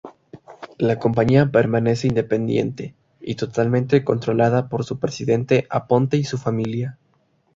La compañía permanece independiente y totalmente controlada por su presidente Aponte y su familia.